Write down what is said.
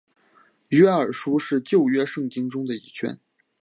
约珥书是旧约圣经中的一卷。